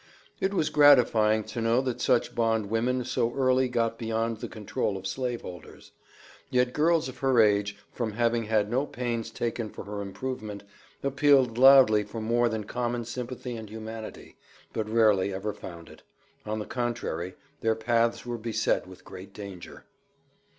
It was gratifying to know that such bond women so early got beyond the control of slave holders; yet girls of her age from having had no pains taken for their improvement, appealed loudly for more than common sympathy and humanity, but rarely ever found it; on the contrary, their paths were beset with great danger.